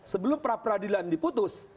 sebelum pra peradilan diputus